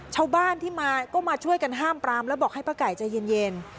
ชาวบ้านที่มาก็มาช่วยกันห้ามปรามแล้วบอกให้ป้าไก่ใจเย็น